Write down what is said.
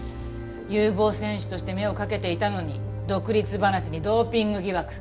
有望選手として目をかけていたのに独立話にドーピング疑惑。